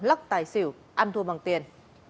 lắc tài xỉu ăn thua bằng tiền